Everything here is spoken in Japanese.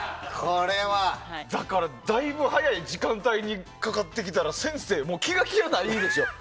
だから、だいぶ早い時間帯にかかってきたら先生、気が気じゃないでしょう。